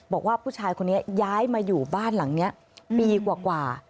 บอกว่าผู้ชายคนนี้ย้ายมาอยู่บ้านหลังนี้ปีกว่า